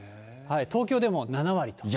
東京でも７割と。